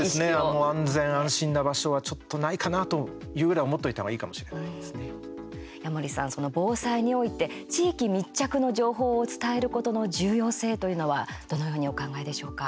もう安全安心な場所はちょっとないかなというぐらいに思っておいた方が矢守さん、防災において地域密着の情報を伝えることの重要性というのはどのようにお考えでしょうか。